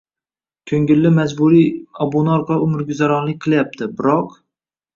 «ko‘ngilli-majburiy» obuna orqali umrguzaronlik qilyapti. Biroq.